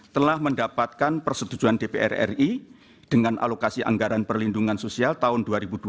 telah mendapatkan persetujuan dpr ri dengan alokasi anggaran perlindungan sosial tahun dua ribu dua puluh